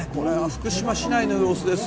福島市内の様子です。